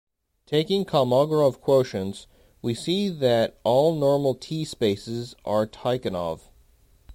Taking Kolmogorov quotients, we see that all normal T spaces are Tychonoff.